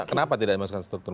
kenapa tidak masuk ke struktur